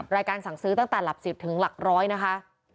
รายการสั่งซื้อตั้งแต่หลัก๑๐ถึงหลัก๑๐๐นะคะ